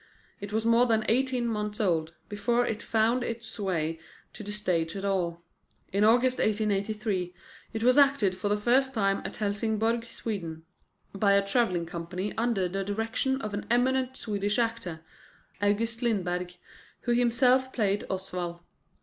It was more than eighteen months old before it found its way to the stage at all. In August 1883 it was acted for the first time at Helsingborg, Sweden, by a travelling company under the direction of an eminent Swedish actor, August Lindberg, who himself played Oswald.